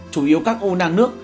chủ yếu các u nang nước